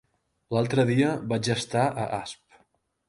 L'altre dia vaig estar a Asp.